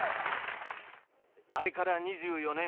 あれから２４年